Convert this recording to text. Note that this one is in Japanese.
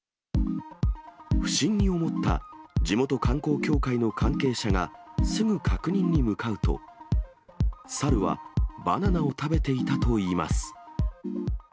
不審に思った地元観光協会の関係者が、すぐ確認に向かうと、サルはバナナを食べていたといいます。